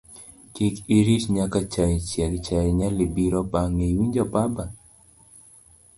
kik irit nyaka chaye chieg, chaye nyalo biro bang'e, iwinjo baba